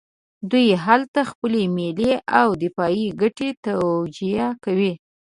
دوی هلته خپلې ملي او دفاعي ګټې توجیه کوي.